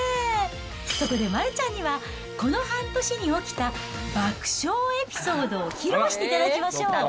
そこで丸ちゃんには、この半年に起きた爆笑エピソードを披露していただきましょう。